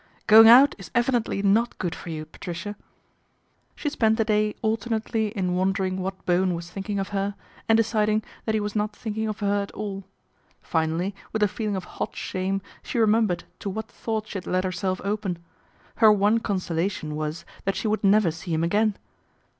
" Going out is evidently not good for you, Patricia/' She spent the day alternately in wondering what Bowen was thinking of her, and deciding that he was not thinking of her at all. Finally, with a feel ing of hot shame, she remembered to what thoughts she had laid herself open. Her one consolation was that she would never see him again.